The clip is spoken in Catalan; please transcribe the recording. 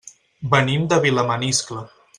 Venim de Vilamaniscle.